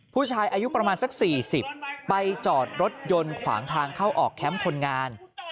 ผู้ชายอายุประมาณสัก๔๐ไปจอดรถยนต์ขวางทางเข้าออกแคมป์คนงาน